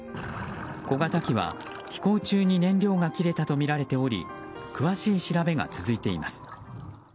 小型機は飛行中に燃料が切れたとみられており詳しい調べが続いています。